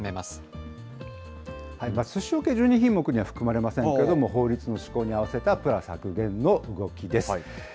すしおけ、１２品目には含まれませんけれども、法律の施行に合わせたプラ削減の動きです。